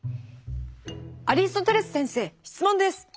「アリストテレス先生質問です。